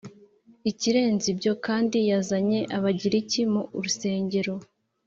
Ikirenze ibyo kandi yazanye Abagiriki mu rusengero